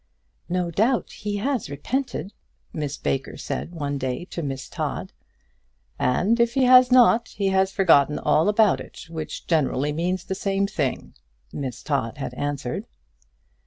"No doubt he has repented," Miss Baker said one day to Miss Todd. "And if he has not, he has forgotten all about it, which generally means the same thing," Miss Todd had answered.